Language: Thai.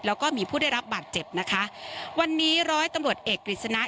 แล้วก็มีผู้ได้รับบาดเจ็บนะคะวันนี้ร้อยตำรวจเอกกฤษณะ